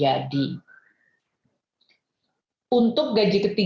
kami berharap ini tetap bisa dilakukan sebelum hari raya idul fitri